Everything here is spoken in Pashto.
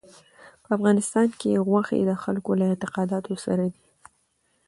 په افغانستان کې غوښې د خلکو له اعتقاداتو سره دي.